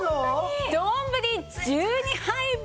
丼１２杯分！